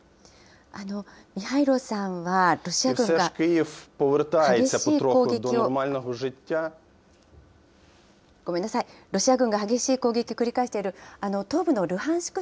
ミハイロさんは、ロシア軍が激しい攻撃を、ごめんなさい、ロシア軍が激しい攻撃を繰り返している東部のルハンシク